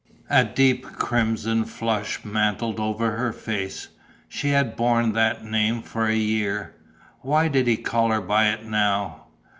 A deep crimson flush mantled over her face. She had borne that name for a year. Why did he call her by it now?